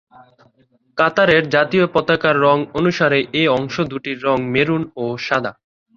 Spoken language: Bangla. কাতারের জাতীয় পতাকার রং অনুসারে এ অংশ দুটির রং মেরুন ও সাদা।